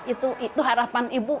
itu harapan ibu